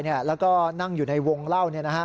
แล้วก็นั่งอยู่ในวงเล่า